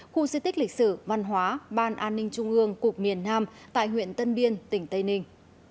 khu di tích lịch sử văn hóa ban an ninh trung ương cục miền nam tại huyện tân biên tỉnh tây ninh